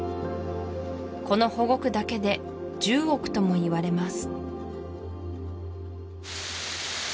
この保護区だけで１０億ともいわれます